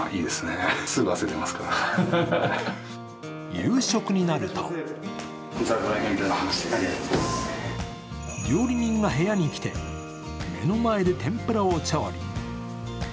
夕食になると料理人が部屋に来て、目の前で天ぷらを調理。